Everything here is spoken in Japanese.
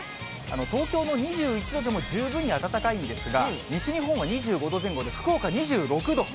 東京も２１度でも十分に暖かいんですが、西日本は２５度前後で、福岡２６度。